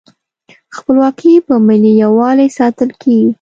خپلواکي په ملي یووالي ساتل کیږي.